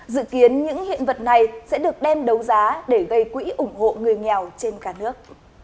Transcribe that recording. dự kiến những hiện vật này sẽ được đem đấu giá để gây quỹ ủng hộ người nghèo trên cả nước